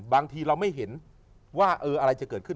บางทีเราไม่เห็นว่าอะไรจะเกิดขึ้น